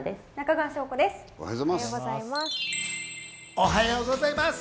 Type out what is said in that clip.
おはようございます。